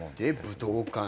武道館。